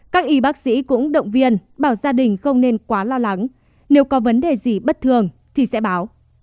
các y bác sĩ cũng động viên bảo gia đình không nên quá lo lắng nếu có vấn đề gì bất thường thì sẽ báo